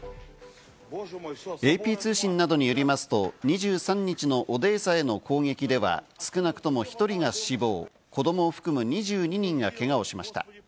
ＡＰ通信などによりますと、２３日のオデーサへの攻撃では少なくとも１人が死亡、子どもを含む２２人がけがをしました。